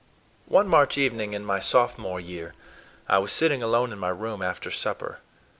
II ONE March evening in my Sophomore year I was sitting alone in my room after supper.